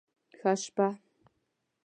ښه شپه